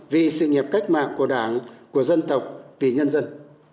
vì sự nghiệp cách mạng của đảng của dân tộc vì nhân dân